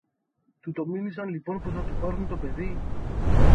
Του το μήνυσαν λοιπόν πως θα του πάρουν το παιδί;